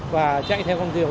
và chạy theo con diều